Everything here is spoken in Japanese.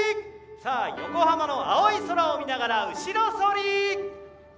横浜の青い空を見ながら後ろ反り！